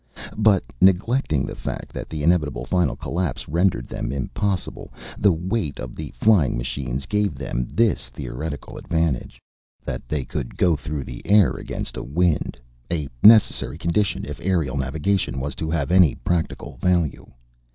But, neglecting the fact that the inevitable final collapse rendered them impossible, the weight of the flying machines gave them this theoretical advantage, that they could go through the air against a wind, a necessary condition if aerial navigation was to have any practical value.